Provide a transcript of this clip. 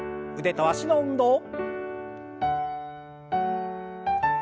腕と脚の運動。